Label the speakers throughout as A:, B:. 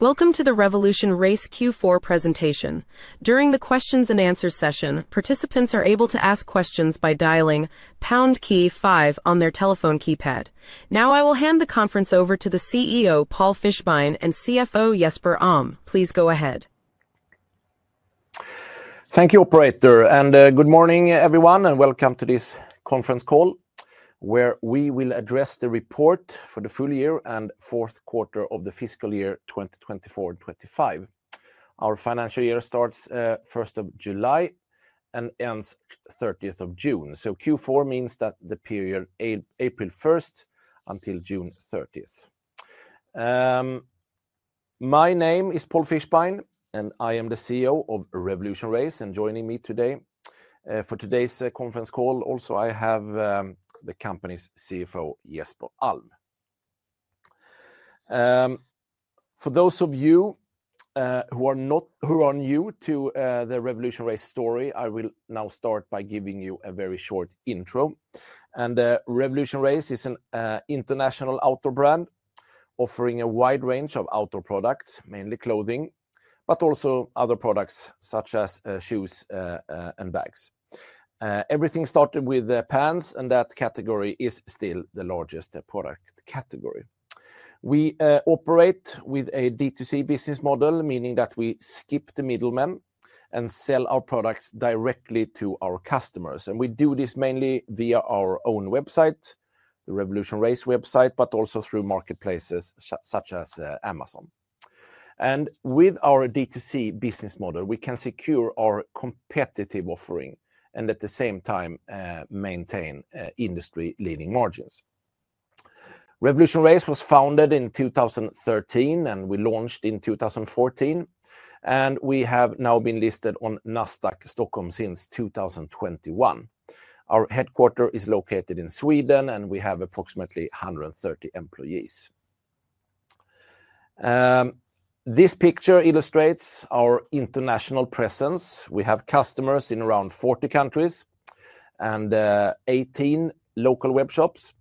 A: Welcome to the RevolutionRace Q4 presentation. During the questions and answers session, participants are able to ask questions by dialing #KEY5 on their telephone keypad. Now I will hand the conference over to the CEO, Paul Fischbein, and CFO, Jesper Alm. Please go ahead.
B: Thank you, operator, and good morning everyone, and welcome to this conference call where we will address the report for the full-year and fourth quarter of the fiscal year 2024-2025. Our financial year starts July 1 and ends June 30. Q4 means that the period is April 1 until June 30. My name is Paul Fischbein, and I am the CEO of RevolutionRace, and joining me today for today's conference call, also, I have the company's CFO, Jesper Alm. For those of you who are new to the RevolutionRace story, I will now start by giving you a very short intro. RevolutionRace is an international outdoor brand offering a wide range of outdoor products, mainly clothing, but also other products such as shoes and bags. Everything started with pants, and that category is still the largest product category. We operate with a D2C business model, meaning that we skip the middleman and sell our products directly to our customers. We do this mainly via our own website, the RevolutionRace website, but also through marketplaces such as Amazon. With our D2C business model, we can secure our competitive offering and at the same time maintain industry-leading margins. RevolutionRace was founded in 2013, and we launched in 2014, and we have now been listed on Nasdaq Stockholm since 2021. Our headquarters are located in Sweden, and we have approximately 130 employees. This picture illustrates our international presence. We have customers in around 40 countries and 18 local web shops.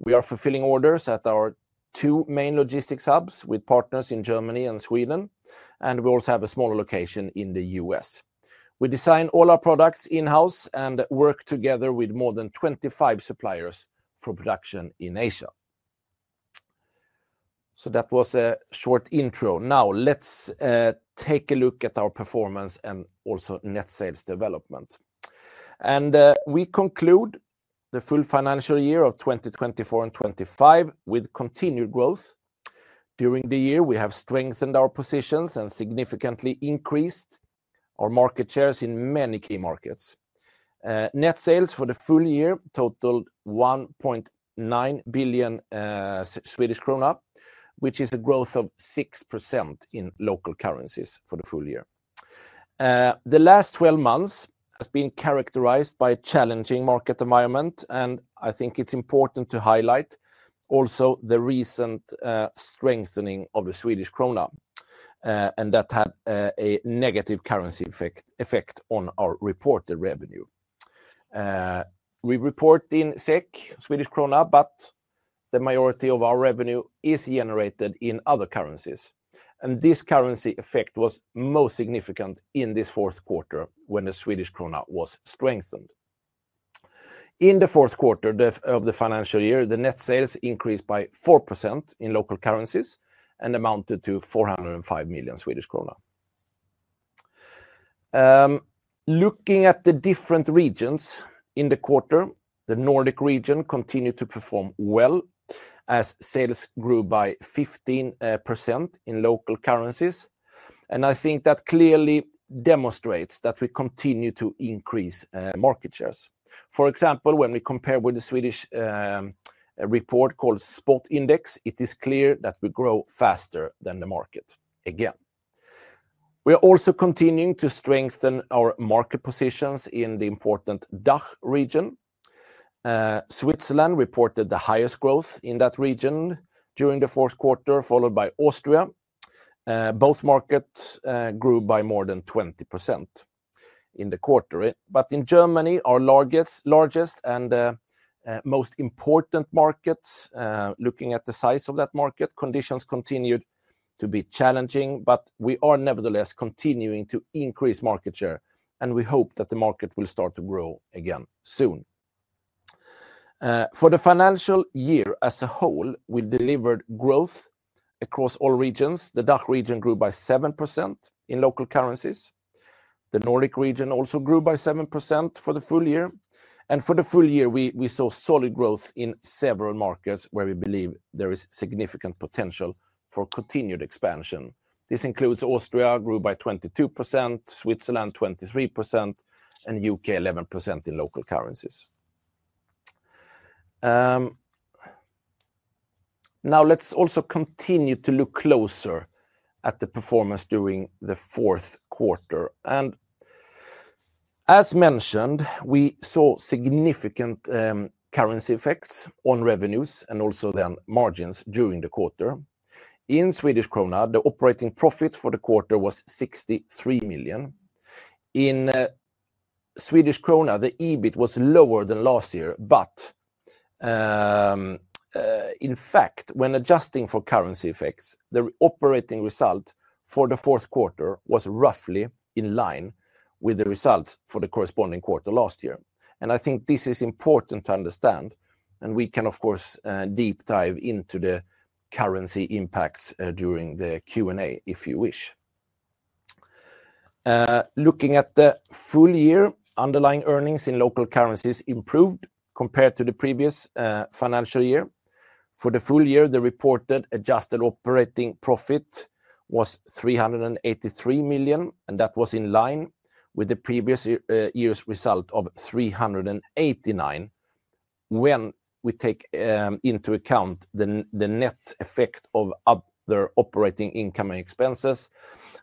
B: We are fulfilling orders at our two main logistics hubs with partners in Germany and Sweden, and we also have a smaller location in the U.S. We design all our products in-house and work together with more than 25 suppliers for production in Asia. That was a short intro. Now let's take a look at our performance and also net sales development. We conclude the full financial year of 2024-2025 with continued growth. During the year, we have strengthened our positions and significantly increased our market shares in many key markets. Net sales for the full-year totaled 1.9 billion Swedish krona, which is a growth of 6% in local currencies for the full-year. The last 12 months have been characterized by a challenging market environment, and I think it's important to highlight also the recent strengthening of the Swedish krona, and that had a negative currency effect on our reported revenue. We report in SEK, Swedish krona, but the majority of our revenue is generated in other currencies. This currency effect was most significant in this fourth quarter when the Swedish krona was strengthened. In the fourth quarter of the financial year, the net sales increased by 4% in local currencies and amounted to 405 million Swedish krona. Looking at the different regions in the quarter, the Nordic region continued to perform well as sales grew by 15% in local currencies. I think that clearly demonstrates that we continue to increase market shares. For example, when we compare with the Swedish report called Spot Index, it is clear that we grow faster than the market again. We are also continuing to strengthen our market positions in the important DACH region. Switzerland reported the highest growth in that region during the fourth quarter, followed by Austria. Both markets grew by more than 20% in the quarter. In Germany, our largest and most important market, looking at the size of that market, conditions continued to be challenging, but we are nevertheless continuing to increase market share, and we hope that the market will start to grow again soon. For the financial year as a whole, we delivered growth across all regions. The DACH region grew by 7% in local currencies. The Nordic region also grew by 7% for the full-year. For the full-year, we saw solid growth in several markets where we believe there is significant potential for continued expansion. This includes Austria, grew by 22%, Switzerland 23%, and UK 11% in local currencies. Now let's also continue to look closer at the performance during the fourth quarter. As mentioned, we saw significant currency effects on revenues and also margins during the quarter. In Swedish krona, the operating profit for the quarter was 63 million. In Swedish krona, the EBIT was lower than last year, but in fact, when adjusting for currency effects, the operating result for the fourth quarter was roughly in line with the results for the corresponding quarter last year. I think this is important to understand, and we can, of course, deep dive into the currency impacts during the Q&A if you wish. Looking at the full-year, underlying earnings in local currencies improved compared to the previous financial year. For the full-year, the reported adjusted operating profit was 383 million, and that was in line with the previous year's result of 389 million. When we take into account the net effect of other operating income and expenses,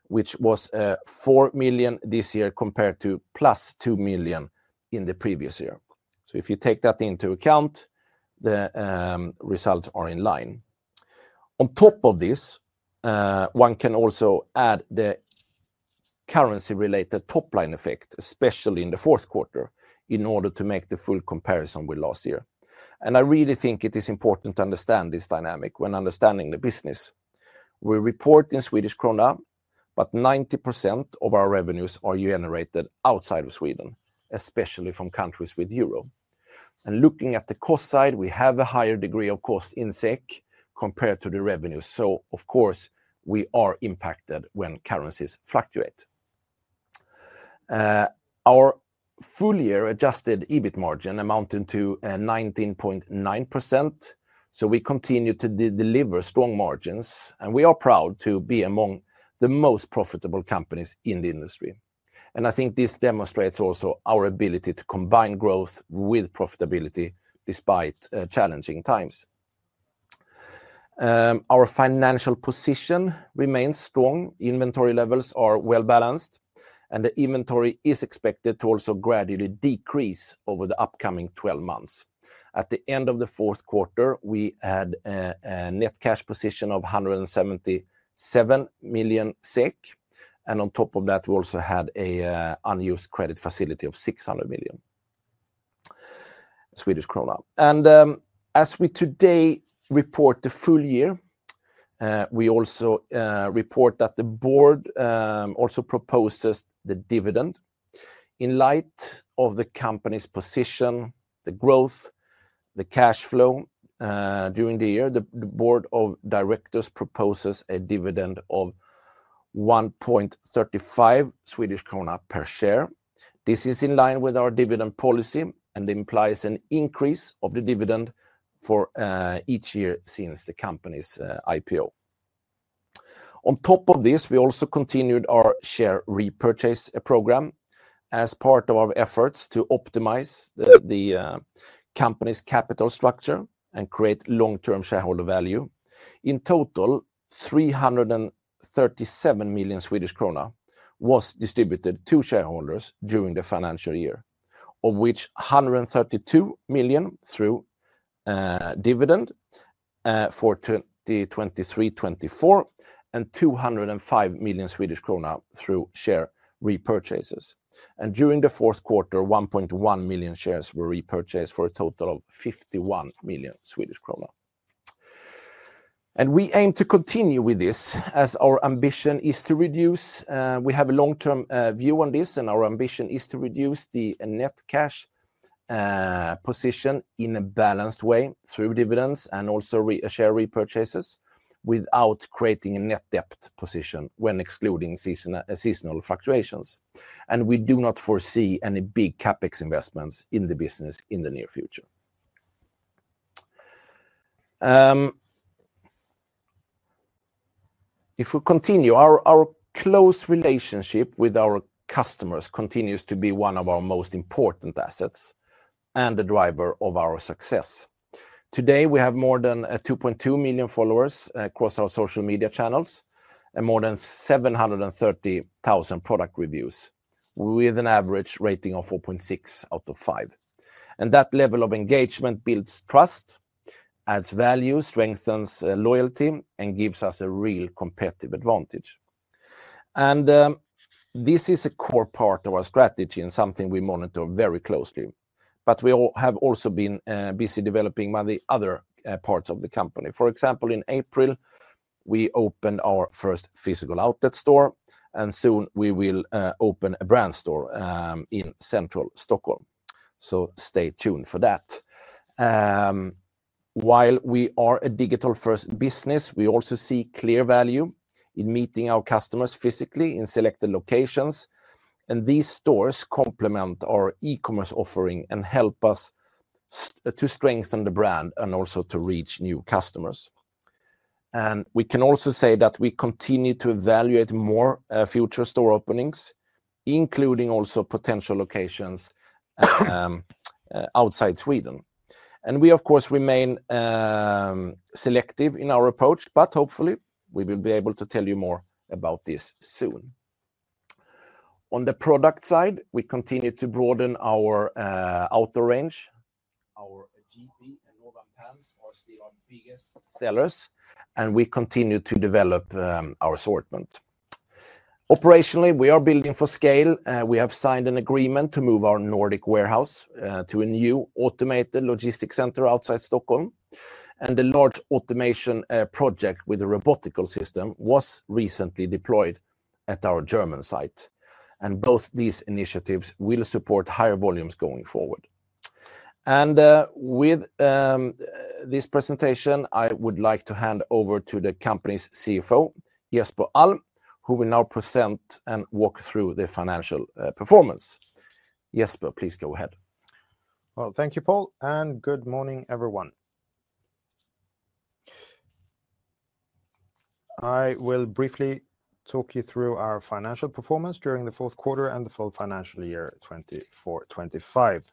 B: which was 4 million this year compared to 2 million in the previous year, if you take that into account, the results are in line. On top of this, one can also add the currency-related top-line effect, especially in the fourth quarter, in order to make the full comparison with last year. I really think it is important to understand this dynamic when understanding the business. We report in Swedish krona, but 90% of our revenues are generated outside of Sweden, especially from countries with euro. Looking at the cost side, we have a higher degree of cost in SEK compared to the revenues. Of course, we are impacted when currencies fluctuate. Our full-year adjusted EBIT margin amounted to 19.9%. We continue to deliver strong margins, and we are proud to be among the most profitable companies in the industry. I think this demonstrates also our ability to combine growth with profitability despite challenging times. Our financial position remains strong. Inventory levels are well balanced, and the inventory is expected to also gradually decrease over the upcoming 12 months. At the end of the fourth quarter, we had a net cash position of 177 million SEK, and on top of that, we also had an unused credit facility of 600 million. As we today report the full-year, we also report that the board also proposes the dividend. In light of the company's position, the growth, the cash flow during the year, the board of directors proposes a dividend of 1.35 Swedish krona per share. This is in line with our dividend policy and implies an increase of the dividend for each year since the company's IPO. On top of this, we also continued our share repurchase program as part of our efforts to optimize the company's capital structure and create long-term shareholder value. In total, 337 million Swedish krona was distributed to shareholders during the financial year, of which 132 million through dividend for 2023-2024, and 205 million Swedish krona through share repurchases. During the fourth quarter, 1.1 million shares were repurchased for a total of 51 million Swedish krona. We aim to continue with this as our ambition is to reduce. We have a long-term view on this, and our ambition is to reduce the net cash position in a balanced way through dividends and also share repurchases without creating a net debt position when excluding seasonal fluctuations. We do not foresee any big CapEx investments in the business in the near future. If we continue, our close relationship with our customers continues to be one of our most important assets and the driver of our success. Today, we have more than 2.2 million followers across our social media channels and more than 730,000 product reviews with an average rating of 4.6 out of 5. That level of engagement builds trust, adds value, strengthens loyalty, and gives us a real competitive advantage. This is a core part of our strategy and something we monitor very closely. We have also been busy developing many other parts of the company. For example, in April, we opened our first physical outlet store, and soon we will open a brand store in central Stockholm. Stay tuned for that. While we are a digital-first business, we also see clear value in meeting our customers physically in selected locations. These stores complement our e-commerce offering and help us to strengthen the brand and also to reach new customers. We can also say that we continue to evaluate more future store openings, including also potential locations outside Sweden. We, of course, remain selective in our approach, but hopefully, we will be able to tell you more about this soon. On the product side, we continue to broaden our outdoor range. Our GP and Nova pants are still our biggest sellers, and we continue to develop our assortment. Operationally, we are building for scale. We have signed an agreement to move our Nordic warehouse to a new automated logistics center outside Stockholm. The large automation project with a robotical system was recently deployed at our German site. Both these initiatives will support higher volumes going forward. With this presentation, I would like to hand over to the company's Chief Financial Officer, Jesper Alm, who will now present and walk through the financial performance. Jesper, please go ahead.
C: Thank you, Paul, and good morning, everyone. I will briefly talk you through our financial performance during the fourth quarter and the full financial year 2024-2025.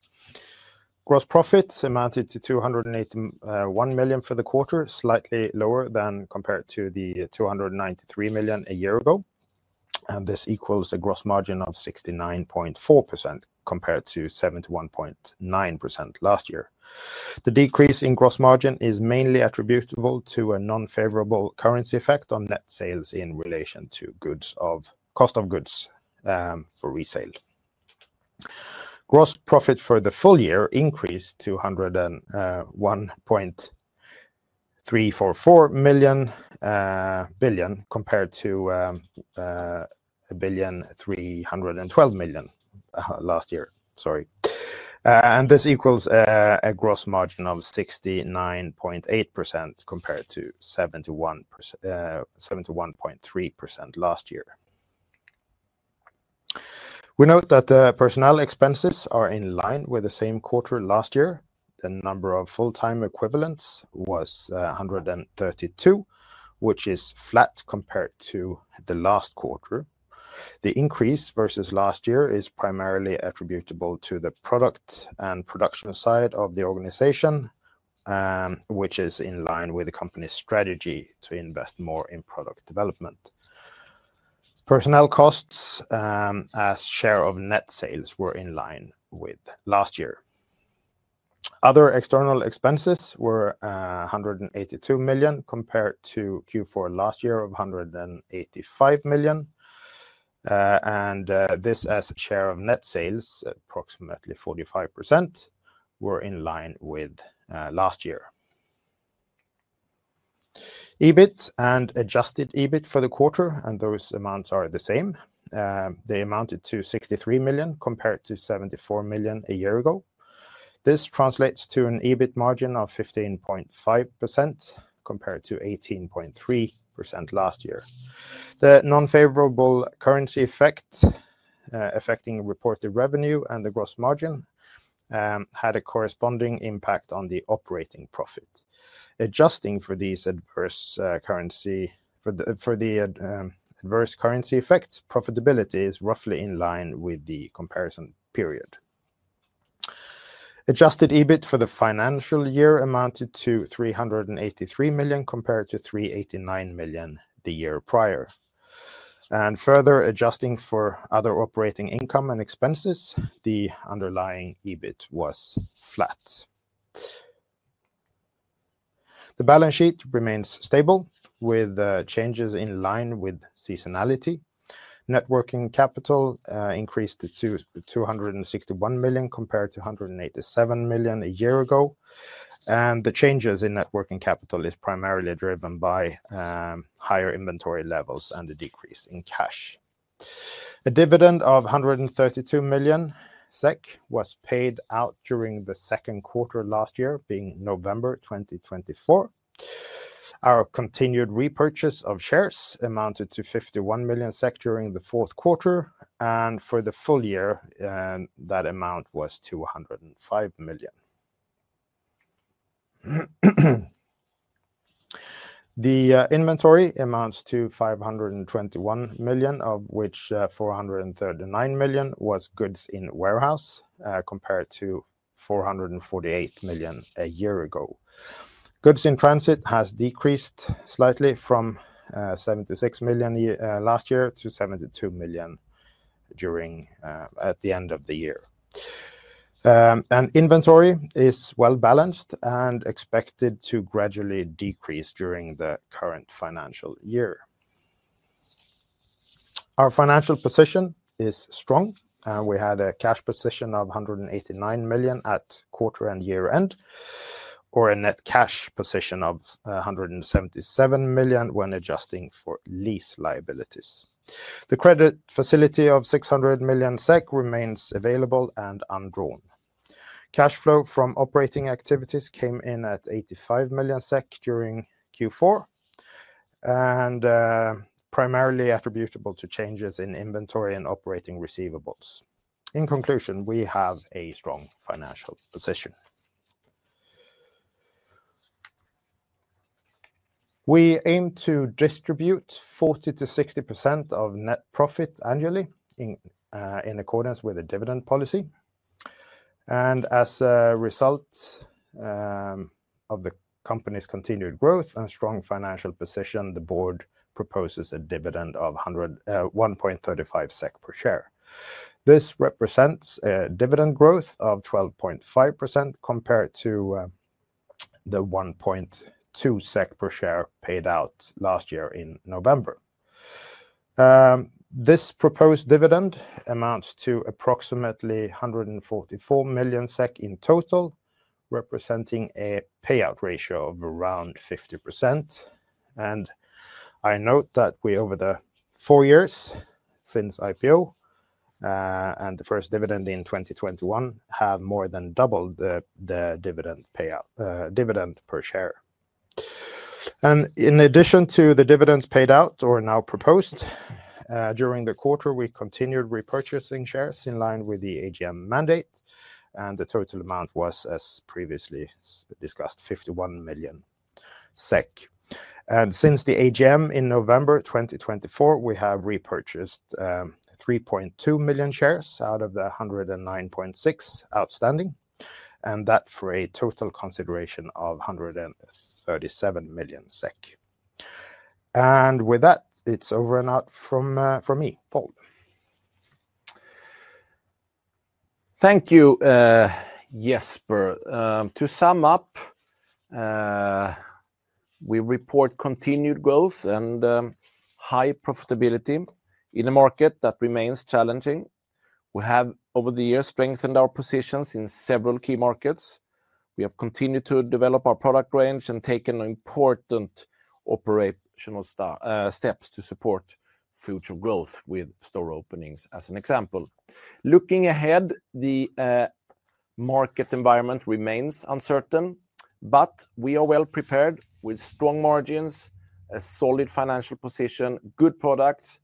C: Gross profits amounted to 281 million for the quarter, slightly lower than compared to the 293 million a year ago. This equals a gross margin of 69.4% compared to 71.9% last year. The decrease in gross margin is mainly attributable to a non-favorable currency effect on net sales in relation to cost of goods for resale. Gross profits for the full-year increased to 1.344 billion compared to 1.312 billion last year. Sorry. This equals a gross margin of 69.8% compared to 71.3% last year. We note that personnel expenses are in line with the same quarter last year. The number of full-time equivalents was 132, which is flat compared to the last quarter. The increase versus last year is primarily attributable to the product and production side of the organization, which is in line with the company's strategy to invest more in product development. Personnel costs as share of net sales were in line with last year. Other external expenses were 182 million compared to Q4 last year of 185 million. As a share of net sales, approximately 45% were in line with last year. EBIT and adjusted EBIT for the quarter, and those amounts are the same. They amounted to 63 million compared to 74 million a year ago. This translates to an EBIT margin of 15.5% compared to 18.3% last year. The non-favorable currency effect affecting reported revenue and the gross margin had a corresponding impact on the operating profit. Adjusting for these adverse currency effects, profitability is roughly in line with the comparison period. Adjusted EBIT for the financial year amounted to 383 million compared to 389 million the year prior. Further adjusting for other operating income and expenses, the underlying EBIT was flat. The balance sheet remains stable with changes in line with seasonality. Net working capital increased to 261 million compared to 187 million a year ago. The changes in net working capital are primarily driven by higher inventory levels and a decrease in cash. A dividend of 132 million SEK was paid out during the second quarter last year, being November 2024. Our continued repurchase of shares amounted to 51 million SEK during the fourth quarter. For the full-year, that amount was 205 million. The inventory amounts to 521 million, of which 439 million was goods in warehouse compared to 448 million a year ago. Goods in transit has decreased slightly from 76 million last year to 72 million at the end of the year. Inventory is well balanced and expected to gradually decrease during the current financial year. Our financial position is strong. We had a cash position of 189 million at quarter and year end, or a net cash position of 177 million when adjusting for lease liabilities. The credit facility of 600 million SEK remains available and undrawn. Cash flow from operating activities came in at 85 million SEK during Q4, and primarily attributable to changes in inventory and operating receivables. In conclusion, we have a strong financial position. We aim to distribute 40% to 60% of net profit annually in accordance with a dividend policy. As a result of the company's continued growth and strong financial position, the board proposes a dividend of 1.35 SEK per share. This represents a dividend growth of 12.5% compared to the 1.2 SEK per share paid out last year in November. This proposed dividend amounts to approximately 144 million SEK in total, representing a payout ratio of around 50%. I note that we, over the four years since IPO and the first dividend in 2021, have more than doubled the dividend per share. In addition to the dividends paid out or now proposed, during the quarter, we continued repurchasing shares in line with the AGM mandate, and the total amount was, as previously discussed, 51 million SEK. Since the AGM in November 2024, we have repurchased 3.2 million shares out of the 109.6 million outstanding, and that for a total consideration of 137 million SEK. With that, it's over and out from me, Paul.
B: Thank you, Jesper. To sum up, we report continued growth and high profitability in a market that remains challenging. We have, over the years, strengthened our positions in several key markets. We have continued to develop our product range and taken important operational steps to support future growth with store openings as an example. Looking ahead, the market environment remains uncertain, but we are well prepared with strong margins, a solid financial position, good products,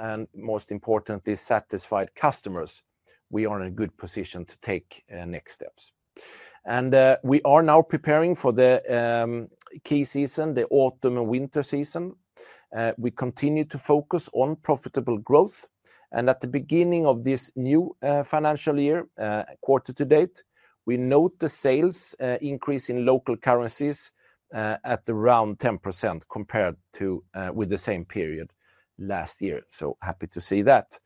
B: and most importantly, satisfied customers. We are in a good position to take next steps. We are now preparing for the key season, the autumn and winter season. We continue to focus on profitable growth. At the beginning of this new financial year, quarter to date, we note the sales increase in local currencies at around 10% compared to the same period last year. Happy to see that.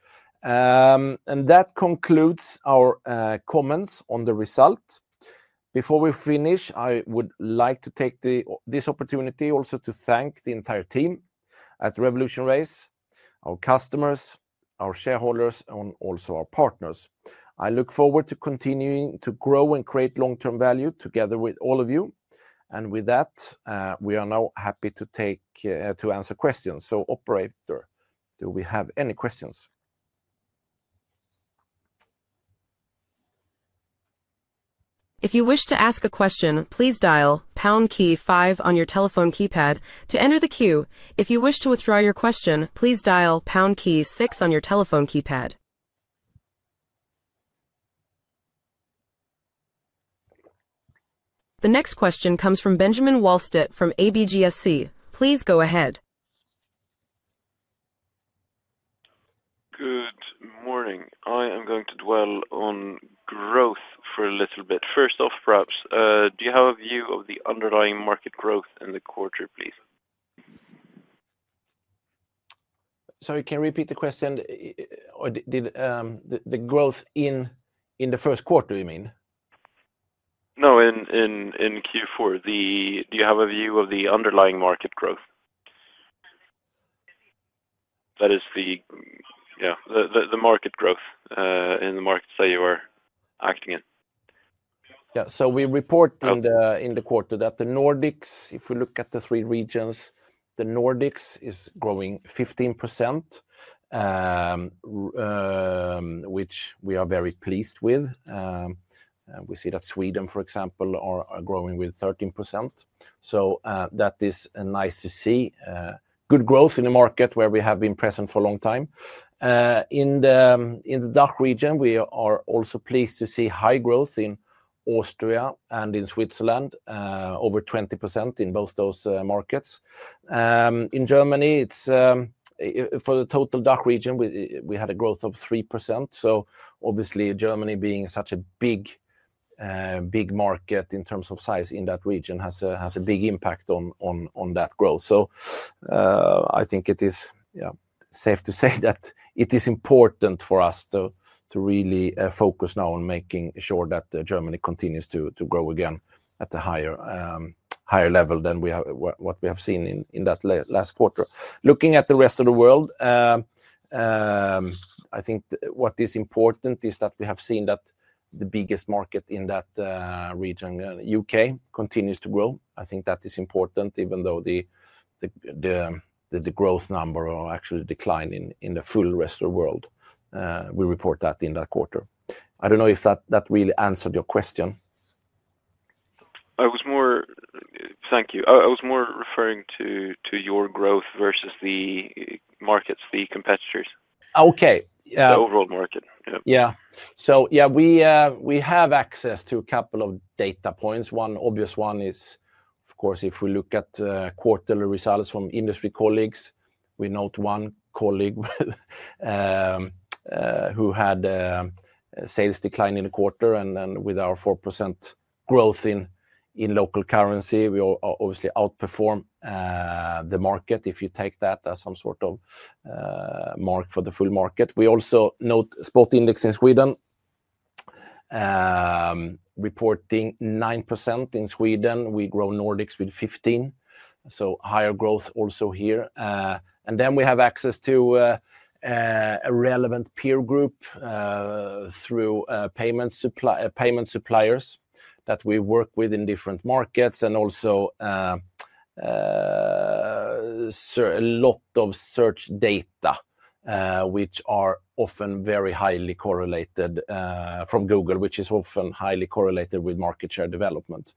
B: That concludes our comments on the result. Before we finish, I would like to take this opportunity also to thank the entire team at RevolutionRace, our customers, our shareholders, and also our partners. I look forward to continuing to grow and create long-term value together with all of you. With that, we are now happy to answer questions. Operator, do we have any questions?
A: If you wish to ask a question, please dial #KEY5 on your telephone keypad. To enter the queue, if you wish to withdraw your question, please dial #KEY6 on your telephone keypad. The next question comes from Benjamin Wahlstedt from ABGSC. Please go ahead.
D: Good morning. I am going to dwell on growth for a little bit. First off, perhaps, do you have a view of the underlying market growth in the quarter, please?
E: Sorry, can you repeat the question? Did the growth in the first quarter, you mean?
D: No, in Q4. Do you have a view of the underlying market growth? That is the market growth in the markets that you are acting in.
B: Yeah, we report in the quarter that the Nordics, if we look at the three regions, the Nordics is growing 15%, which we are very pleased with. We see that Sweden, for example, is growing with 13%. That is nice to see. Good growth in the market where we have been present for a long time. In the DACH region, we are also pleased to see high growth in Austria and in Switzerland, over 20% in both those markets. In Germany, for the total DACH region, we had a growth of 3%. Obviously, Germany being such a big market in terms of size in that region has a big impact on that growth. I think it is safe to say that it is important for us to really focus now on making sure that Germany continues to grow again at a higher level than what we have seen in that last quarter. Looking at the rest of the world, I think what is important is that we have seen that the biggest market in that region, UK, continues to grow. I think that is important, even though the growth number actually declined in the full rest of the world. We report that in that quarter. I don't know if that really answered your question.
D: Thank you. I was more referring to your growth versus the markets, the competitors.
B: Oh, okay.
D: The overall market.
B: Yeah, we have access to a couple of data points. One obvious one is, of course, if we look at quarterly results from industry colleagues, we note one colleague who had a sales decline in the quarter. With our 4% growth in local currency, we obviously outperform the market if you take that as some sort of mark for the full market. We also note Spot Index in Sweden reporting 9% in Sweden. We grow Nordics with 15%, so higher growth also here. We have access to a relevant peer group through payment suppliers that we work with in different markets and also a lot of search data, which are often very highly correlated from Google, which is often highly correlated with market share development.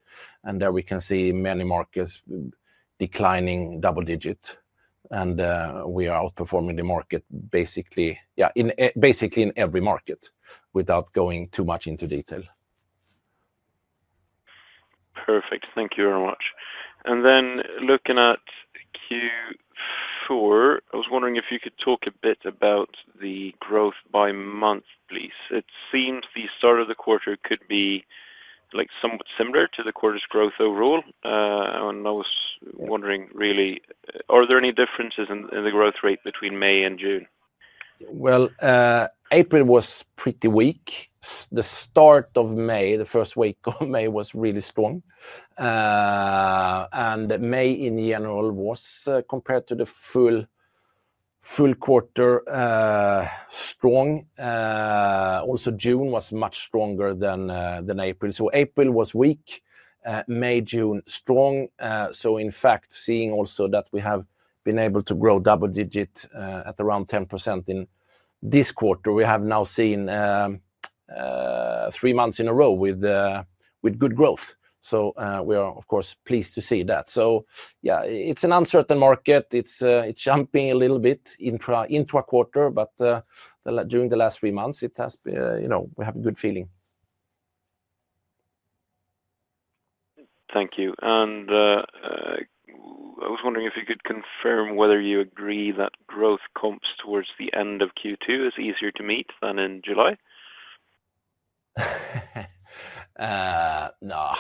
B: There we can see many markets declining double digits, and we are outperforming the market basically in every market without going too much into detail.
D: Perfect. Thank you very much. Looking at Q4, I was wondering if you could talk a bit about the growth by month, please. It seemed the start of the quarter could be somewhat similar to the quarter's growth overall. I was wondering, really, are there any differences in the growth rate between May and June?
B: April was pretty weak. The start of May, the first week of May, was really strong. May in general was, compared to the full quarter, strong. June was much stronger than April. April was weak; May and June strong. In fact, seeing also that we have been able to grow double digits at around 10% in this quarter, we have now seen three months in a row with good growth. We are, of course, pleased to see that. It's an uncertain market. It's jumping a little bit intra-quarter, but during the last three months, we have a good feeling.
D: Thank you. I was wondering if you could confirm whether you agree that growth comps towards the end of Q2 are easier to meet than in July?
B: No,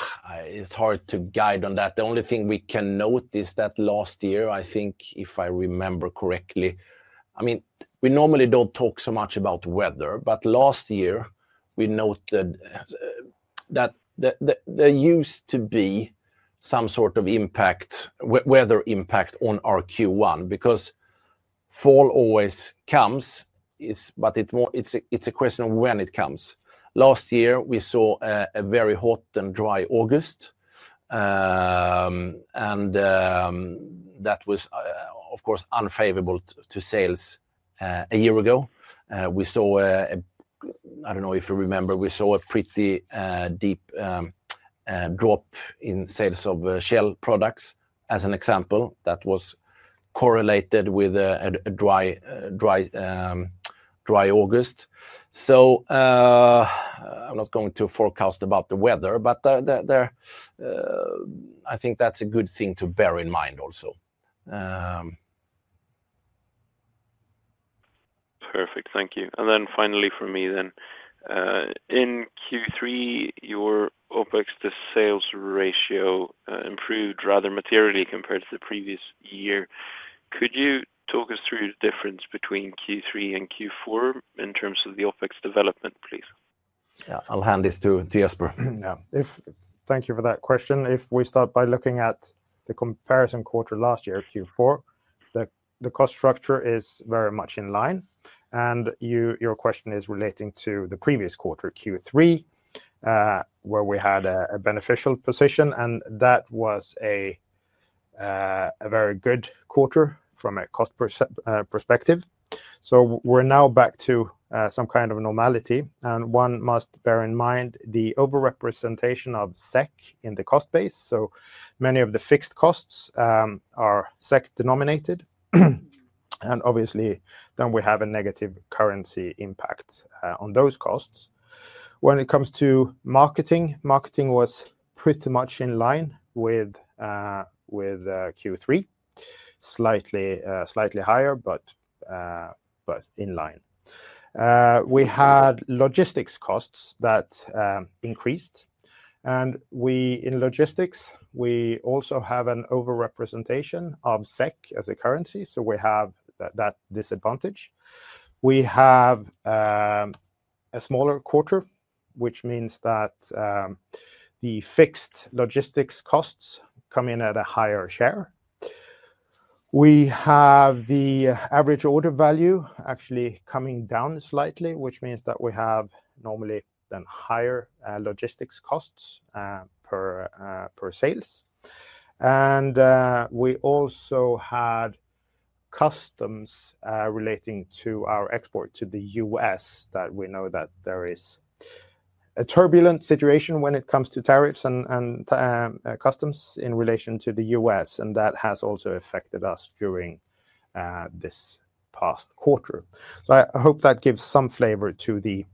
B: it's hard to guide on that. The only thing we can note is that last year, I think, if I remember correctly, we normally don't talk so much about weather, but last year, we noted that there used to be some sort of impact, weather impact on our Q1 because fall always comes, but it's a question of when it comes. Last year, we saw a very hot and dry August. That was, of course, unfavorable to sales a year ago. We saw a, I don't know if you remember, we saw a pretty deep drop in sales of shell products as an example that was correlated with a dry August. I'm not going to forecast about the weather, but I think that's a good thing to bear in mind also.
D: Perfect. Thank you. Finally for me, in Q3, your OpEx to sales ratio improved rather materially compared to the previous year. Could you talk us through the difference between Q3 and Q4 in terms of the OpEx development, please?
B: Yeah, I'll hand this to Jesper.
C: Thank you for that question. If we start by looking at the comparison quarter last year, Q4, the cost structure is very much in line. Your question is relating to the previous quarter, Q3, where we had a beneficial position, and that was a very good quarter from a cost perspective. We're now back to some kind of a normality. One must bear in mind the overrepresentation of SEK in the cost base. Many of the fixed costs are SEK denominated. Obviously, we have a negative currency impact on those costs. When it comes to marketing, marketing was pretty much in line with Q3, slightly higher, but in line. We had logistics costs that increased. In logistics, we also have an overrepresentation of SEK as a currency, so we have that disadvantage. We have a smaller quarter, which means that the fixed logistics costs come in at a higher share. The average order value actually came down slightly, which means that we have normally higher logistics costs per sales. We also had customs relating to our export to the U.S. We know that there is a turbulent situation when it comes to tariffs and customs in relation to the U.S., and that has also affected us during this past quarter. I hope that gives some flavor to the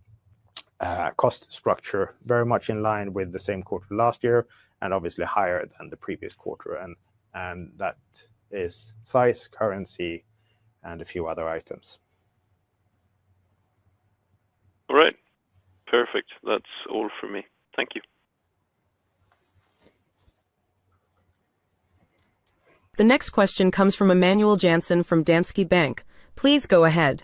C: cost structure, very much in line with the same quarter last year, and obviously higher than the previous quarter. That is size, currency, and a few other items.
D: All right. Perfect. That's all for me. Thank you.
A: The next question comes from Emanuel Jansson from Danske Bank. Please go ahead.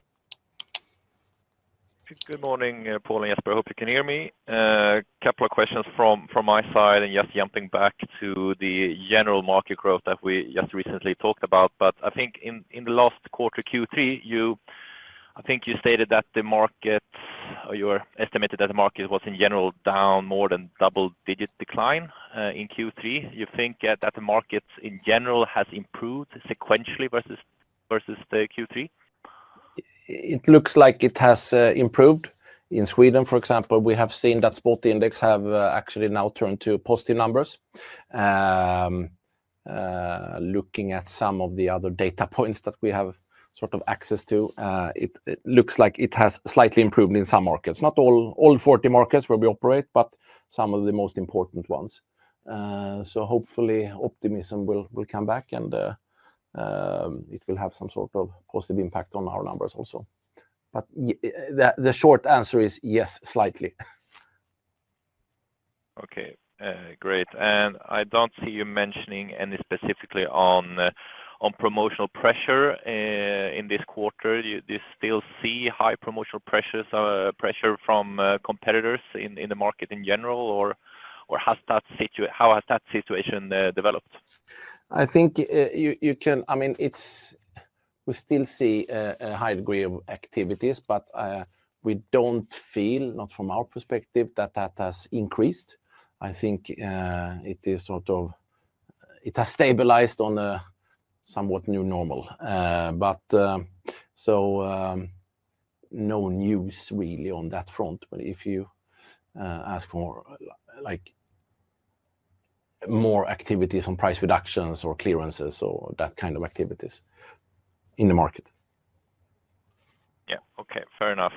E: Good morning, Paul and Jesper. I hope you can hear me. A couple of questions from my side, just jumping back to the general market growth that we just recently talked about. I think in the last quarter, Q3, you stated that the market, or you estimated that the market was in general down more than double-digit decline in Q3. Do you think that the market in general has improved sequentially versus Q3?
B: It looks like it has improved. In Sweden, for example, we have seen that spot index has actually now turned to positive numbers. Looking at some of the other data points that we have access to, it looks like it has slightly improved in some markets, not all 40 markets where we operate, but some of the most important ones. Hopefully, optimism will come back, and it will have some sort of positive impact on our numbers also. The short answer is yes, slightly.
E: Okay. Great. I don't see you mentioning any specifically on promotional pressure in this quarter. Do you still see high promotional pressure from competitors in the market in general, or how has that situation developed?
B: I think you can, I mean, we still see a high degree of activities, but we don't feel, not from our perspective, that that has increased. I think it is sort of, it has stabilized on a somewhat new normal. No news really on that front. If you ask for more activities on price reductions or clearances or that kind of activities in the market.
E: Okay. Fair enough.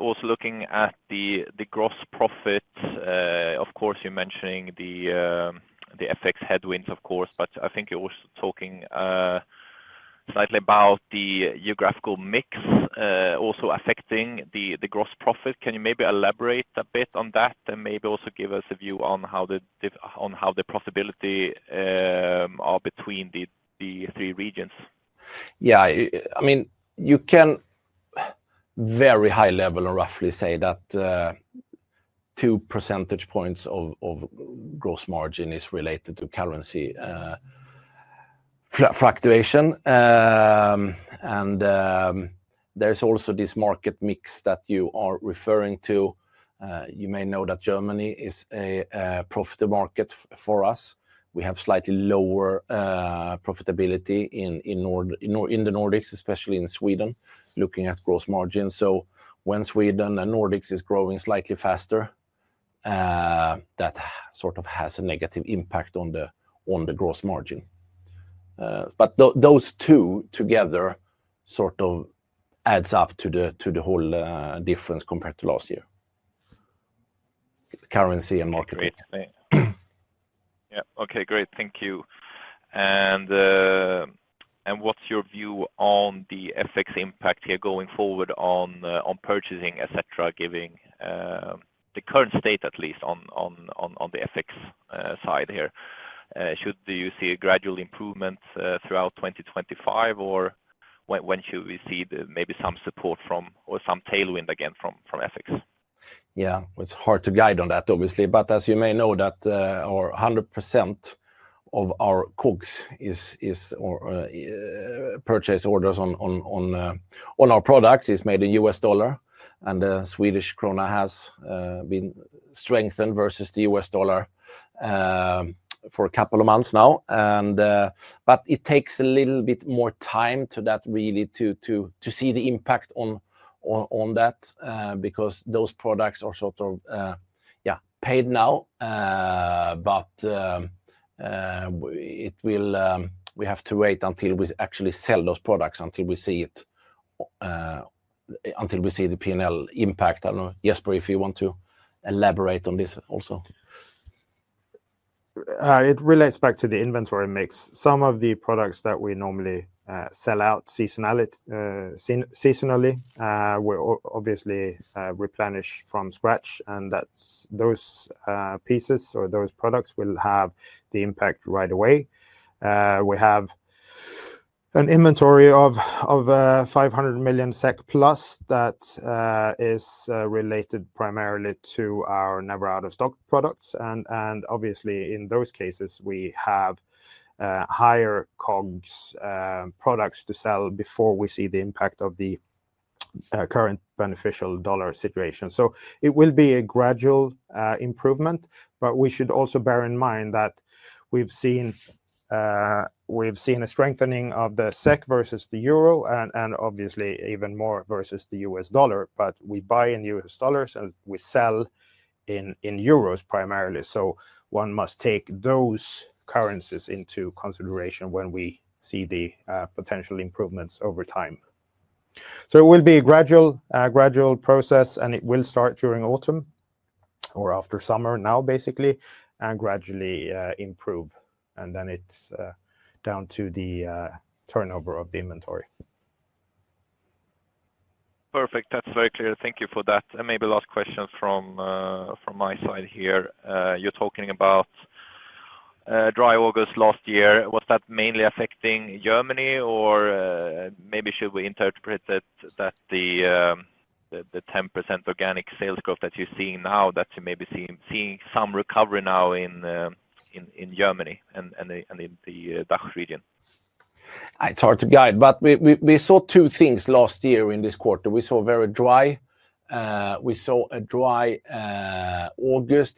E: Also, looking at the gross profits, of course, you're mentioning the FX headwinds, but I think you're also talking slightly about the geographical mix also affecting the gross profit. Can you maybe elaborate a bit on that and maybe also give us a view on how the profitability are between the three regions?
B: Yeah. I mean, you can very high level and roughly say that 2% of gross margin is related to currency fluctuation. There is also this market mix that you are referring to. You may know that Germany is a profitable market for us. We have slightly lower profitability in the Nordics, especially in Sweden, looking at gross margins. When Sweden and Nordics are growing slightly faster, that sort of has a negative impact on the gross margin. Those two together sort of add up to the whole difference compared to last year, currency and market rate.
E: Okay. Great. Thank you. What's your view on the FX impact here going forward on purchasing, etc., given the current state at least on the FX side here? Should you see a gradual improvement throughout 2025, or when should we see maybe some support from or some tailwind again from FX?
B: Yeah. It's hard to guide on that, obviously. As you may know, 100% of our COGS purchase orders on our products is made in U.S. dollar. The Swedish krona has been strengthened versus the U.S. dollar for a couple of months now. It takes a little bit more time to really see the impact on that because those products are paid now. We have to wait until we actually sell those products until we see the P&L impact. I don't know, Jesper, if you want to elaborate on this also.
C: It relates back to the inventory mix. Some of the products that we normally sell out seasonally, we obviously replenish from scratch. Those pieces or those products will have the impact right away. We have an inventory of 500 million SEK plus that is related primarily to our never-out-of-stock products. In those cases, we have higher COGS products to sell before we see the impact of the current beneficial dollar situation. It will be a gradual improvement. We should also bear in mind that we've seen a strengthening of the SEK versus the euro, and obviously even more versus the US dollar. We buy in US dollars and we sell in euros primarily. One must take those currencies into consideration when we see the potential improvements over time. It will be a gradual process, and it will start during autumn or after summer now, basically, and gradually improve. Then it's down to the turnover of the inventory.
E: Perfect. That's very clear. Thank you for that. Maybe last question from my side here. You're talking about dry August last year. Was that mainly affecting Germany, or should we interpret it that the 10% organic sales growth that you're seeing now, that you may be seeing some recovery now in Germany and in the DACH region?
B: It's hard to guide, but we saw two things last year in this quarter. We saw a very dry August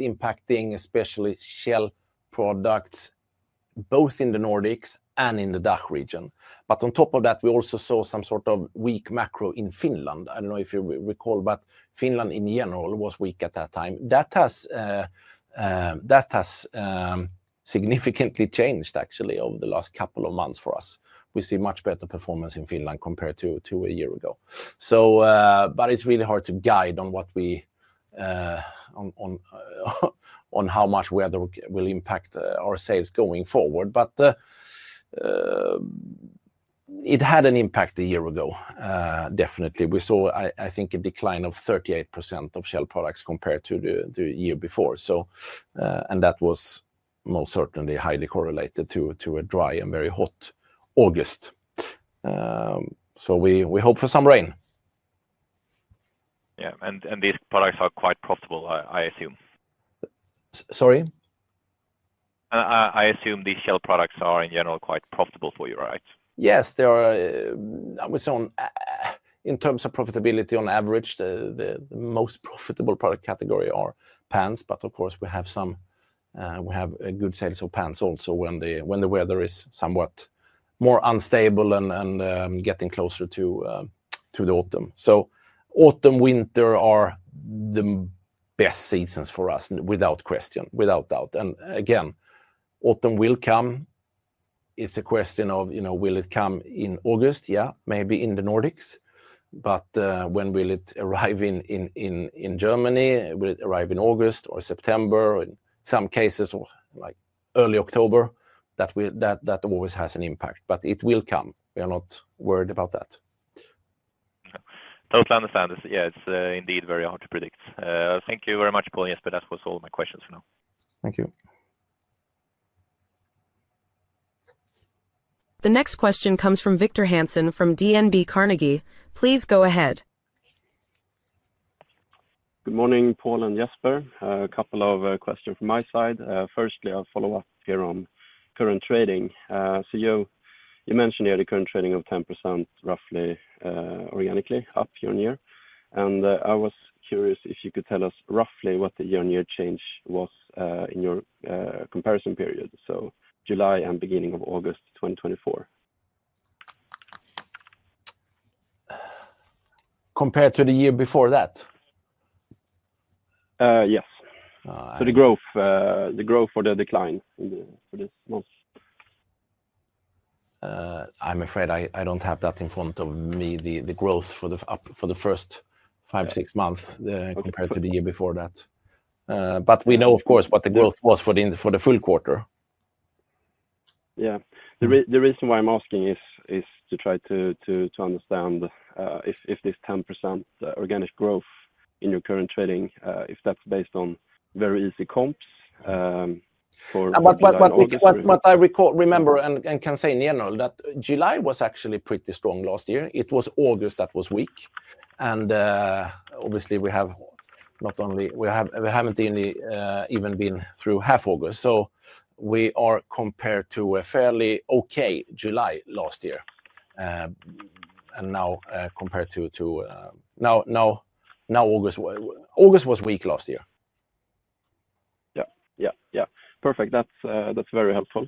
B: impacting especially shell products, both in the Nordics and in the DACH region. On top of that, we also saw some sort of weak macro in Finland. I don't know if you recall, but Finland in general was weak at that time. That has significantly changed, actually, over the last couple of months for us. We see much better performance in Finland compared to a year ago. It's really hard to guide on how much weather will impact our sales going forward. It had an impact a year ago, definitely. We saw, I think, a decline of 38% of shell products compared to the year before. That was most certainly highly correlated to a dry and very hot August. We hope for some rain.
E: Yeah, these products are quite profitable, I assume.
B: Sorry?
E: I assume these shell products are in general quite profitable for you, right?
B: Yes, they are. In terms of profitability, on average, the most profitable product category are pants. Of course, we have a good sales of pants also when the weather is somewhat more unstable and getting closer to the autumn. Autumn and winter are the best seasons for us, without question, without doubt. Again, autumn will come. It's a question of, you know, will it come in August? Yeah, maybe in the Nordics. When will it arrive in Germany? Will it arrive in August or September? In some cases, like early October, that always has an impact. It will come. We are not worried about that.
E: Though understand. Yeah, it's indeed very hard to predict. Thank you very much, Paul and Jesper. That was all my questions for now.
B: Thank you.
A: The next question comes from Victor Hansen from DNB Carnegie. Please go ahead.
F: Good morning, Paul and Jesper. A couple of questions from my side. Firstly, I'll follow up here on current trading. You mentioned here the current trading of 10% roughly organically up year on year. I was curious if you could tell us roughly what the year-on-year change was in your comparison period, so July and beginning of August 2024.
B: Compared to the year before that?
F: Yes, the growth or the decline for the months.
B: I don't have that in front of me, the growth for the first five, six months compared to the year before that. We know, of course, what the growth was for the full quarter.
F: The reason why I'm asking is to try to understand if this 10% organic growth in your current trading, if that's based on very easy comps.
B: What I remember and can say in general is that July was actually pretty strong last year. It was August that was weak. Obviously, we have not even been through half August. We are compared to a fairly okay July last year, and now compared to now, August was weak last year.
F: That's very helpful.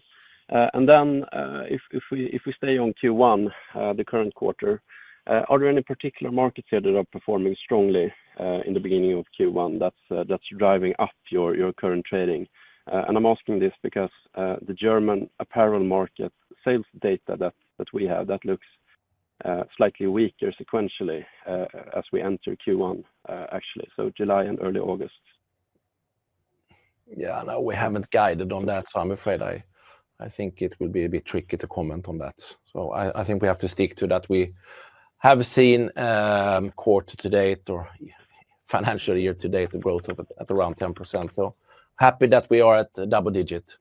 F: If we stay on Q1, the current quarter, are there any particular markets here that are performing strongly in the beginning of Q1 that's driving up your current trading? I'm asking this because the German apparel market sales data that we have looks slightly weaker sequentially as we enter Q1, actually. July and early August.
B: No, we haven't guided on that. I'm afraid I think it will be a bit tricky to comment on that. I think we have to stick to that. We have seen quarter to date or financial year to date the growth at around 10%. Happy that we are at double digits.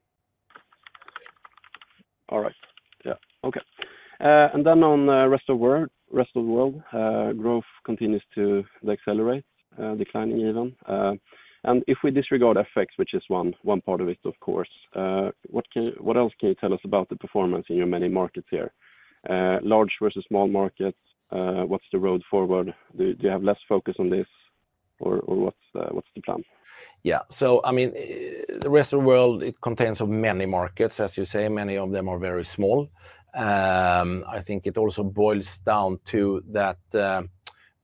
F: All right. Okay. On the rest of the world, growth continues to accelerate, declining even. If we disregard FX, which is one part of it, of course, what else can you tell us about the performance in your many markets here? Large versus small markets, what's the road forward? Do you have less focus on this, or what's the plan?
B: Yeah. The rest of the world contains many markets, as you say. Many of them are very small. I think it also boils down to that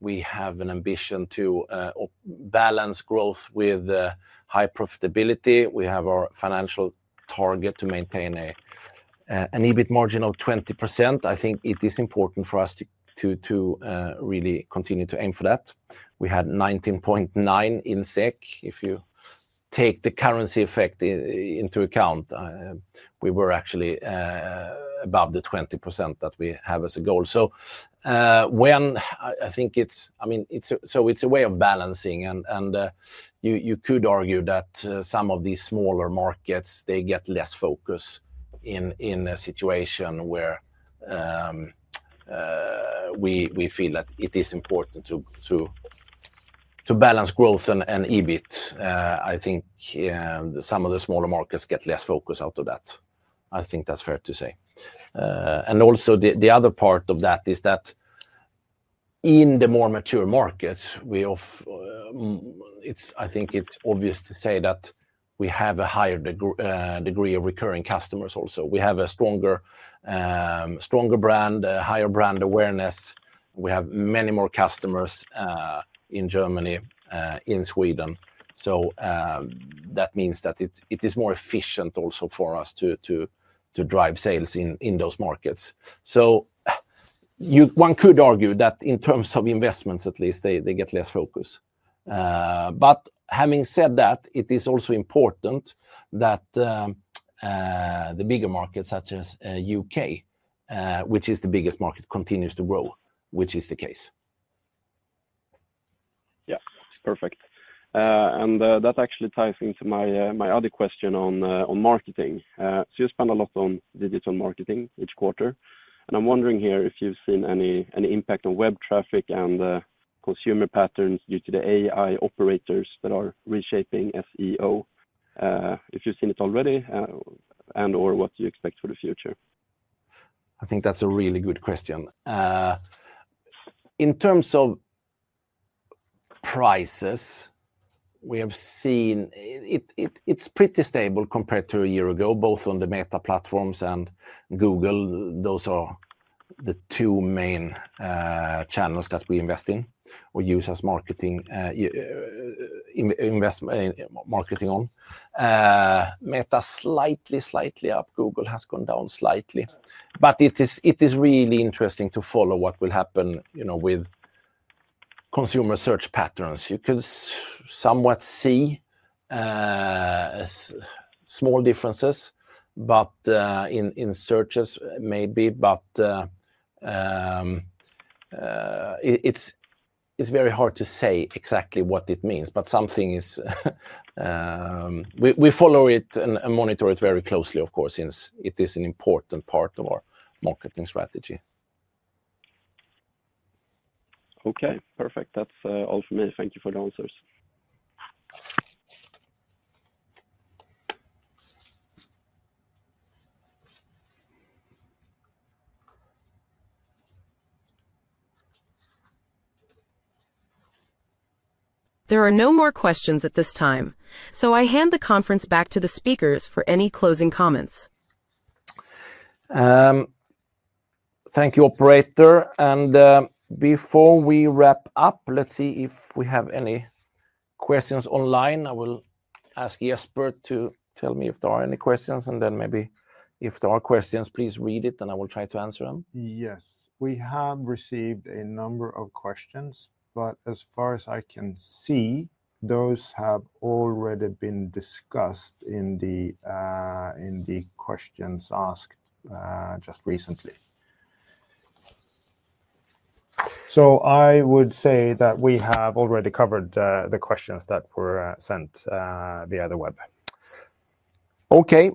B: we have an ambition to balance growth with high profitability. We have our financial target to maintain an EBIT margin of 20%. I think it is important for us to really continue to aim for that. We had 19.9% in SEK. If you take the currency effect into account, we were actually above the 20% that we have as a goal. I mean, it's a way of balancing. You could argue that some of these smaller markets get less focus in a situation where we feel that it is important to balance growth and EBIT. I think some of the smaller markets get less focus out of that. I think that's fair to say. Also, the other part of that is that in the more mature markets, I think it's obvious to say that we have a higher degree of recurring customers also. We have a stronger brand, a higher brand awareness. We have many more customers in Germany, in Sweden. That means that it is more efficient also for us to drive sales in those markets. One could argue that in terms of investments, at least, they get less focus. Having said that, it is also important that the bigger markets, such as the UK, which is the biggest market, continue to grow, which is the case.
F: Yeah, that's perfect. That actually ties into my other question on marketing. You spend a lot on digital marketing each quarter. I'm wondering if you've seen any impact on web traffic and consumer patterns due to the AI operators that are reshaping SEO. If you've seen it already and/or what do you expect for the future?
B: I think that's a really good question. In terms of prices, we have seen it's pretty stable compared to a year ago, both on the Meta platforms and Google. Those are the two main channels that we invest in or use as marketing on. Meta slightly, slightly up. Google has gone down slightly. It is really interesting to follow what will happen with consumer search patterns. You can somewhat see small differences, maybe in searches. It is very hard to say exactly what it means. We follow it and monitor it very closely, of course, since it is an important part of our marketing strategy.
F: Okay. Perfect. That's all for me. Thank you for the answers.
A: There are no more questions at this time. I hand the conference back to the speakers for any closing comments.
B: Thank you, operator. Before we wrap up, let's see if we have any questions online. I will ask Jesper to tell me if there are any questions. If there are questions, please read it and I will try to answer them.
C: Yes. We have received a number of questions. As far as I can see, those have already been discussed in the questions asked just recently. I would say that we have already covered the questions that were sent via the web.
B: Okay.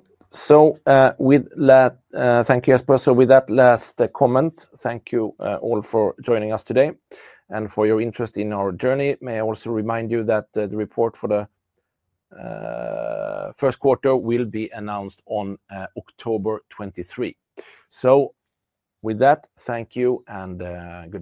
B: With that, thank you, Jesper. With that last comment, thank you all for joining us today and for your interest in our journey. May I also remind you that the report for the first quarter will be announced on October 23. With that, thank you and goodbye.